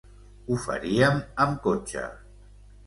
Ho faríem amb cotxe.